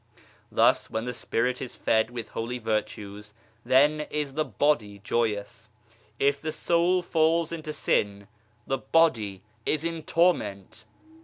Thus, when the Spirit is fed with holy virtues, then is the body joyous ; if the soul falls into sin, the body is in torment